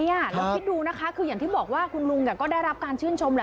แล้วคิดดูนะคะคืออย่างที่บอกว่าคุณลุงก็ได้รับการชื่นชมแหละ